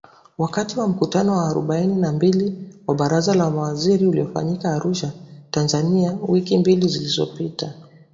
Wakati wa mkutano wa arobaini na mbili wa Baraza la Mawaziri uliofanyika Arusha, Tanzania wiki mbili zilizopita